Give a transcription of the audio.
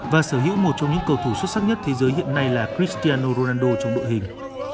và sở hữu một trong những cầu thủ xuất sắc nhất thế giới hiện nay là christianoronando trong đội hình